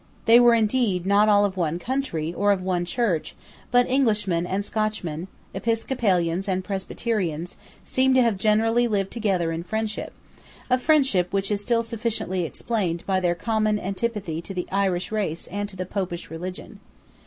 They were indeed not all of one country or of one church but Englishmen and Scotchmen, Episcopalians and Presbyterians, seem to have generally lived together in friendship, a friendship which is sufficiently explained by their common antipathy to the Irish race and to the Popish religion.